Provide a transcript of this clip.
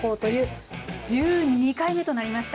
１２回目となりました。